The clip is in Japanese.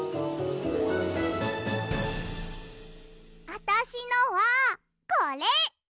あたしのはこれ！